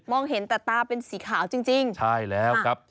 เห็นแต่ตาเป็นสีขาวจริงจริงใช่แล้วครับ